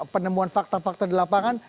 penemuan fakta fakta di lapangan